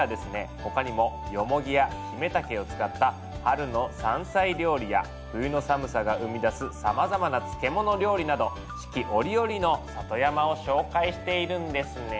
他にもヨモギやヒメタケを使った春の山菜料理や冬の寒さが生み出すさまざまな漬物料理など四季折々の里山を紹介しているんですね。